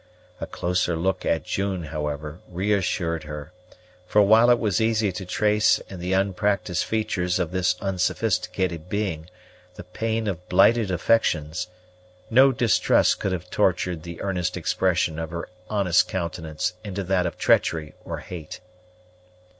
A closer look at June, however, reassured her; for, while it was easy to trace in the unpractised features of this unsophisticated being the pain of blighted affections, no distrust could have tortured the earnest expression of her honest countenance into that of treachery or hate.